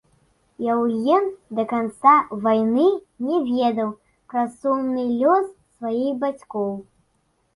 Яўген да канца вайны не ведаў пра сумны лёс сваіх бацькоў.